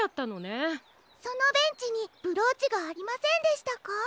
そのベンチにブローチがありませんでしたか？